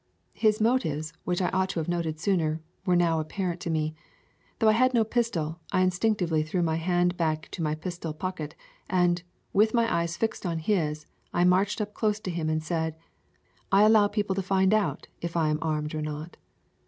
His motives, which I ought to have noted sooner, now were apparent to me. Though I had no pistol, I instinctively threw my hand back to my pistol pocket and, with my eyes fixed on his, I marched up close to him and said, "I allow people to find out if I am armed or not.